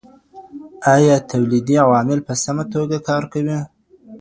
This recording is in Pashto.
ایا تولیدي عوامل په سمه توګه کار کوي؟